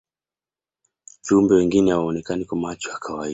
viumbe wengine hawaonekani kwa macho ya kawaida